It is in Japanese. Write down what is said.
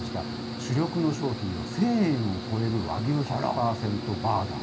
主力の商品は１０００円を超える和牛１００％バーガー。